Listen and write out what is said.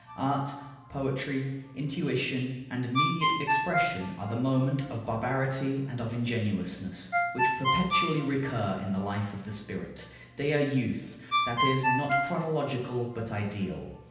Art, poetry, intuition, and immediate expression are the moment of barbarity and of ingenuousness, which perpetually recur in the life of the spirit; they are youth, that is, not chronological, but ideal.